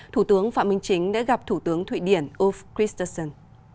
thủ tướng phạm minh chính đã gặp thủ tướng thụy điển of christensen